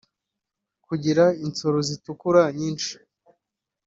Kugira insoro zitukura nyinshi